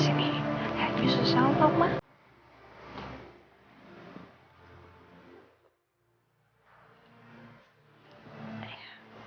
sini haji susah untuk mah